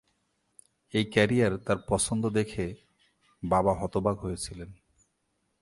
এই ক্যারিয়ার তার পছন্দ দেখে বাবা হতবাক হয়েছিলেন।